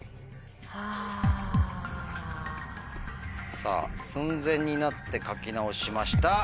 さぁ寸前になって書き直しました。